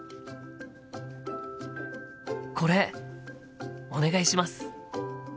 これお願いします。